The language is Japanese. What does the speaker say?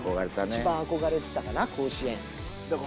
一番憧れてたかな甲子園。